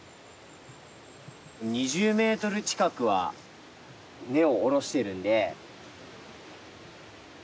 ２０メートル近くは根を下ろしてるんで。